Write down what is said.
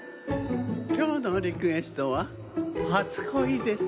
きょうのリクエストは「初恋」です。